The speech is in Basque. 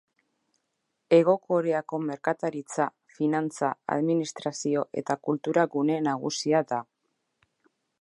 Hego Koreako merkataritza, finantza, administrazio eta kultura gune nagusia da.